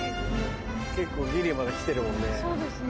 結構ギリまで来てるもんね。